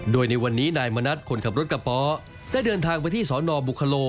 โดยในวันนี้นายมณัฐคนขับรถกระป๋อได้เดินทางไปที่สนบุคโล